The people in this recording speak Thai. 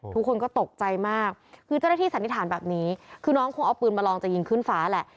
ทุกคนก็ตกใจมากคือเจ้าหน้าที่สันนิษฐานแบบนี้คือน้องคงเอาปืนมาลองจะยิงขึ้นฟ้าแหละ